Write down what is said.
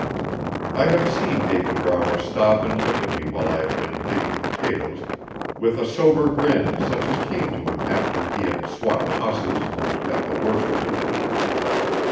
I have seen David Brower stop and look at me while I have been digging potatoes, with a sober grin such as came to him always after he had swapped 'hosses' and got the worst of it.